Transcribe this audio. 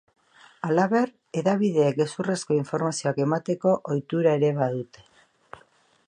Halaber, hedabideek gezurrezko informazioak emateko ohitura ere badute.